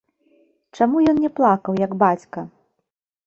Чаму ён не плакаў, як бацька?